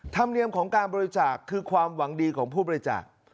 ธรรมเนียมของการบริจาคคือความหวังดีของผู้บริจาค